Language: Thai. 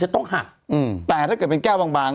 อ่าแต่เป็นแก้ว